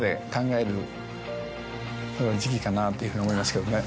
かなっていうふうに思いますけどね。